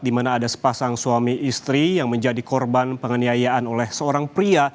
di mana ada sepasang suami istri yang menjadi korban penganiayaan oleh seorang pria